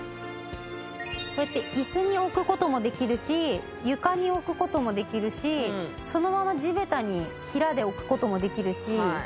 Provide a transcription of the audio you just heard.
こうやって椅子に置く事もできるし床に置く事もできるしそのまま地べたに平で置く事もできるし。